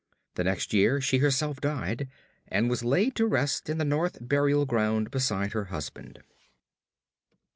The next year she herself died, and was laid to rest in the North Burial Ground beside her husband.